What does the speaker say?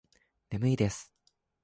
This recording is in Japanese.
眠いです。